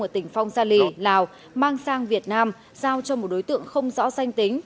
ở tỉnh phong sa lì lào mang sang việt nam giao cho một đối tượng không rõ danh tính